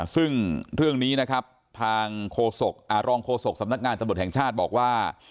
ซึ่งเรื่องนี้นะครับทางรองโฆษกสำนักงานตำรวจแห่งชาติบอกว่า